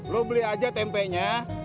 lu beli aja tempenya